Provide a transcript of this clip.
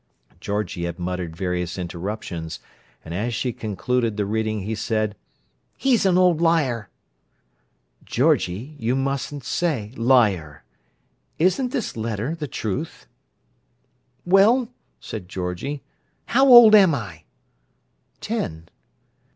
Georgie had muttered various interruptions, and as she concluded the reading he said: "He's an ole liar!" "Georgie, you mustn't say 'liar.' Isn't this letter the truth?" "Well," said Georgie, "how old am I?" "Ten."